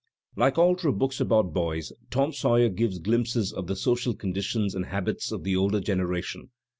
Like all true books about boys, "Tom Sawyer'* gives glimpses of the social conditions and habits of the older gener ation.